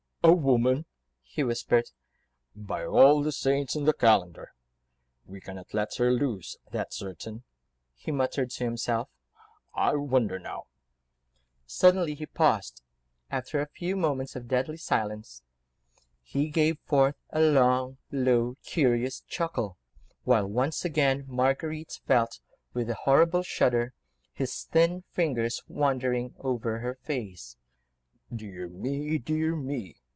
"A woman!" he whispered, "by all the Saints in the calendar." "We cannot let her loose, that's certain," he muttered to himself. "I wonder now ..." Suddenly he paused, and after a few seconds of deadly silence, he gave forth a long, low, curious chuckle, while once again Marguerite felt, with a horrible shudder, his thin fingers wandering over her face. "Dear me! dear me!"